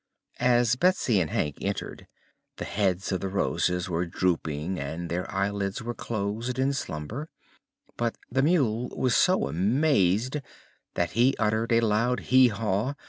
As Betsy and Hank entered, the heads of the Roses were drooping and their eyelids were closed in slumber; but the mule was so amazed that he uttered a loud "Hee haw!"